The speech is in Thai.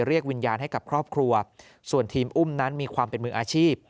เรียกวิญญาณให้กับครอบครัวส่วนทีมอุ้มนั้นมีความเป็นมืออาชีพ